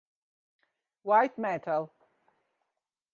White metal